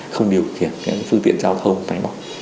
không điều kiện những phương tiện giao thông máy bọc